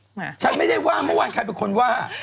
สอบการณ์ฉันไม่ได้ว่ามันว่าใครเป็นคนว่า